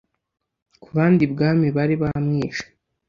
ku bandi ibwami bari bamwishe